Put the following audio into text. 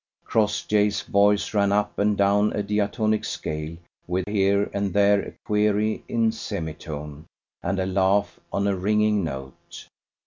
Crossjay's voice ran up and down a diatonic scale with here and there a query in semitone and a laugh on a ringing note.